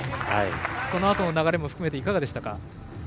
そのあとの流れも含めていかがでしたか？